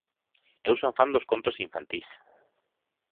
Eu son fan dos contos infantís.